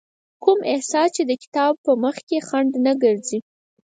کوم احساس يې د کتاب په مخکې خنډ نه ګرځي.